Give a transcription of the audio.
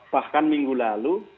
bahkan minggu lalu